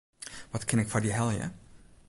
Wat kin ik foar dy helje?